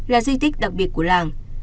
là di tích đặc biệt của làng